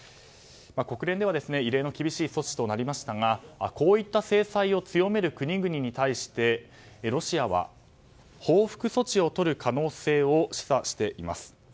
国連では異例の厳しい措置となりましたがこういった制裁を強める国々に対してロシアは報復措置をとる可能性を示唆しています。